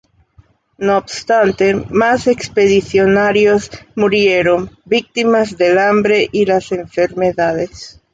No obstante, más expedicionarios murieron, víctimas del hambre y las enfermedades.